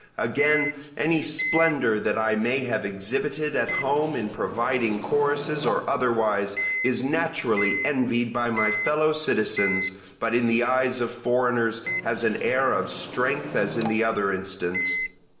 Again, any splendour that I may have exhibited at home in providing choruses or otherwise, is naturally envied by my fellow citizens, but in the eyes of foreigners has an air of strength as in the other instance.